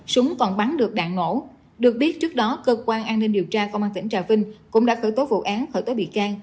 súng còn bắn được đạn nổ được biết trước đó cơ quan an ninh điều tra công an tỉnh trà vinh cũng đã khởi tố vụ án khởi tố bị can